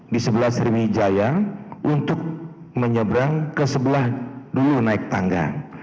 di sebelah sriwijaya untuk menyeberang ke sebelah dulu naik tangga